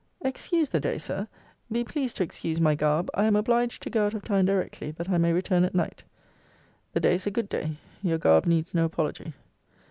Excuse the day, Sir. Be pleased to excuse my garb. I am obliged to go out of town directly, that I may return at night. The day is a good day. Your garb needs no apology.